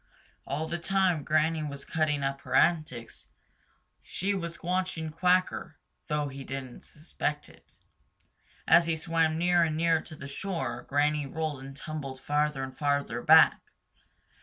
All the time Granny was cutting up her antics, she was watching Quacker, though he didn't suspect it. As he swam nearer and nearer to the shore, Granny rolled and tumbled farther and farther back.